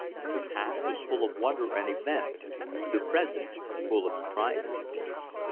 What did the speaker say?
The past was full of wonder and event, the present full of surprises.